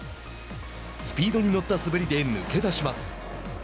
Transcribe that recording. スピードに乗った滑りで抜け出します。